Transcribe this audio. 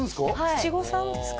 七五三ですか？